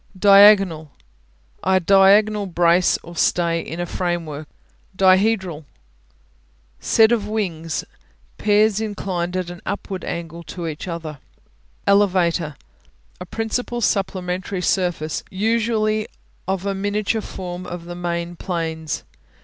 Diagonal A diagonal brace or stay in a framework. Dihedral (di he'dral) Said of wing pairs inclined at an upward angle to each other. Elevator A principal supplementary surface, usually of a miniature form of the main planes.